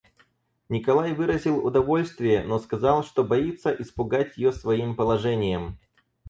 Николай выразил удовольствие, но сказал, что боится испугать ее своим положением.